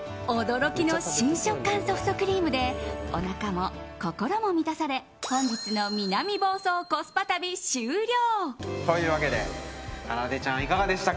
驚きの新食感ソフトクリームでおなかも心も満たされ本日の南房総コスパ旅終了。